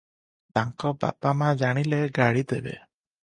ତାଙ୍କ ବାପା ମା ଜାଣିଲେ ଗାଳି ଦେବେ ।